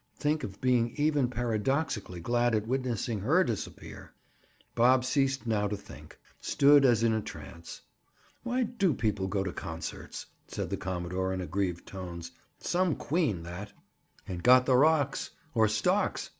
Think of being even paradoxically glad at witnessing her disappear! Bob ceased now to think; stood as in a trance. "Why do people go to concerts?" said the commodore in aggrieved tones. "Some queen, that!" "And got the rocks—or stocks!"